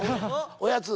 おやつ。